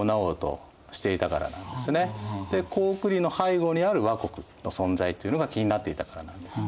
高句麗の背後にある倭国の存在っていうのが気になっていたからなんです。